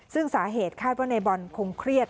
ซึ่งสาเหตุคาดว่าในบอลคงเครียด